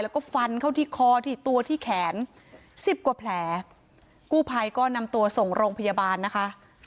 แล้วก็ฟันเข้าที่คอที่ตัวที่แขนสิบกว่าแผลกู้ภัยก็นำตัวส่งโรงพยาบาลนะคะ